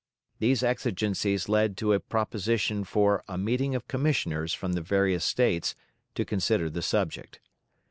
These exigencies led to a proposition for a meeting of commissioners from the various States to consider the subject.